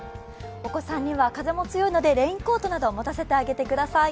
お子さんには風も強いのでレインコートなど持たせてあげてください。